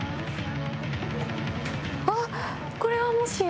あ、これはもしや。